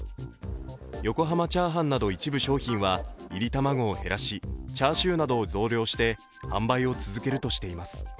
横濱チャーハンなど一部商品はいり卵を減らしチャーシューなどを増量して販売を続けるとしています。